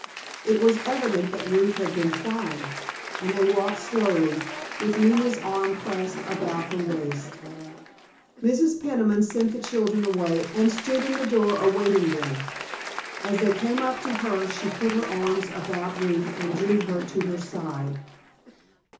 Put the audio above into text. It was evident that Ruth had been crying, and they walked slowly, with Nina's arm clasped about her waist. Mrs. Peniman sent the children away and stood in the door awaiting them. As they came up to her she put her arms about Ruth and drew her to her side.